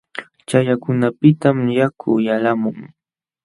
Chaqyakunapiqtam yaku yalqamun.